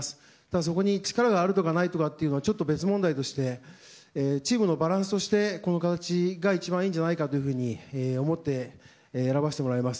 そこに力があるとか、ないとかはちょっと別問題でしてチームのバランスとしてこの形が一番いいんじゃないかと思って選ばせてもらいます。